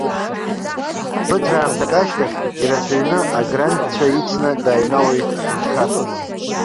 Ԥыҭраамҭак ашьҭахь, ирацәаҩны аграндцәа ицны, дааҩналоит аҳәынҭқар.